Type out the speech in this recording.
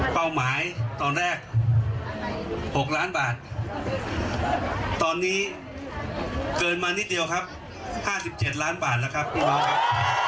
เป้าหมายตอนแรก๖ล้านบาทตอนนี้เกินมานิดเดียวครับ๕๗ล้านบาทแล้วครับคุณบอสครับ